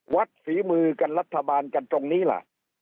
ฝีมือกันรัฐบาลกันตรงนี้ล่ะ